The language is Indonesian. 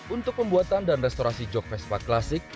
untuk pembuatan dan restorasi jog vespa klasik